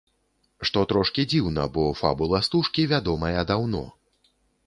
Што трошкі дзіўна, бо фабула стужкі вядомая даўно.